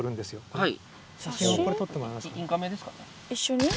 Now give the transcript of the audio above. はい。